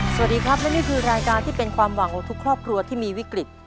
สวัสดีครับและนี่คือรายการที่เป็นความหวังของทุกครอบครัวที่มีวิกฤต